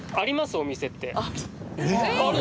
お店って。